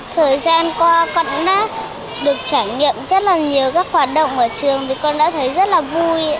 thời gian qua con đã được trải nghiệm rất là nhiều các hoạt động ở trường thì con đã thấy rất là vui